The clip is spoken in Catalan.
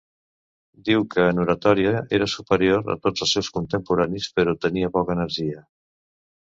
Diu que en oratòria era superior a tots els seus contemporanis, però tenia poca energia.